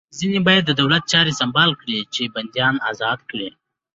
ځینې باید د دولت چارې سمبال کړي چې بندیان ازاد کړي